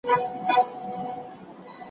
نو په مخ کې کربلا وه اوس هم شته